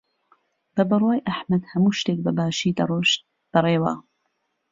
بە بڕوای ئەحمەد هەموو شتێک بەباشی دەڕۆشت بەڕێوە.